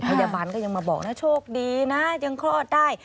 พยาบาลก็ยังมาบอกนะโชคดีนะยังคลอดได้